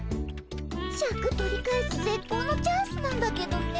シャク取り返すぜっこうのチャンスなんだけどね。